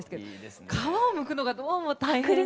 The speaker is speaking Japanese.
皮をむくのがどうも大変で。